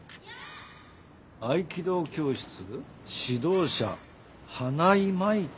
「合気道教室」「指導者花井舞香」？